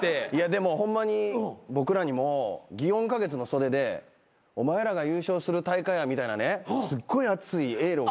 でもホンマに僕らにも祇園花月の袖でお前らが優勝する大会やみたいなねすっごい熱いエールを下さったんですよ。